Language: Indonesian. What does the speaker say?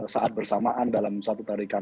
saat bersamaan dalam satu tarikan